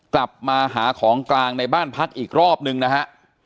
กลับมาหาของกลางในบ้านพักอีกรอบนึงนะฮะ